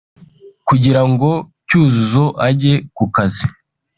Kugira ngo Cyuzuzo ajye ku kazi